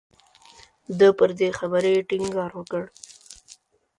ده پر دې خبرې ټینګار وکړ.